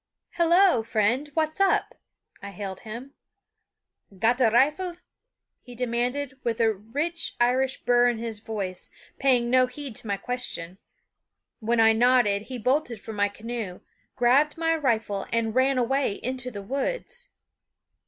"Hello! friend, what's up?" I hailed him. "Got a rifle?" he demanded, with a rich Irish burr in his voice, paying no heed to my question. When I nodded he bolted for my canoe, grabbed my rifle, and ran away into the woods.